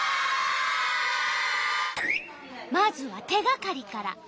まずは手がかりから。